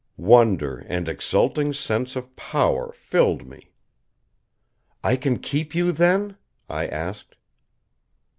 Wonder and exulting sense of power filled me. "I can keep you, then?" I asked.